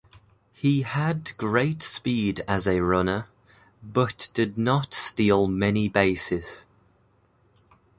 He had great speed as a runner, but did not steal many bases.